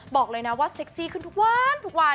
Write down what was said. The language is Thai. บอกเลยนะว่าเซ็กซี่ขึ้นทุกวันทุกวัน